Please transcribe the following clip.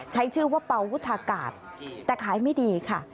ใช้ชื่อว่าเป่าวุฒากาศแต่ขายไม่ดีค่ะ